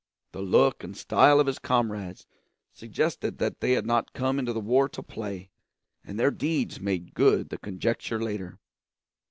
The look and style of his comrades suggested that they had not come into the war to play, and their deeds made good the conjecture later.